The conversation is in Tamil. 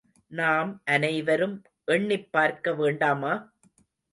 நாம் அனைவரும் எண்ணிப் பார்க்க வேண்டாமா?